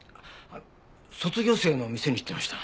あっ卒業生の店に行ってました。